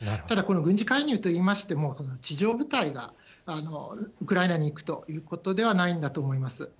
ただ、この軍事介入といいましても、地上部隊がウクライナに行くということではないんだと思います。